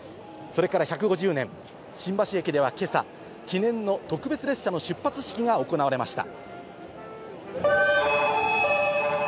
それから１５０年、新橋駅では今朝、記念の特別列車の出発式が行われました。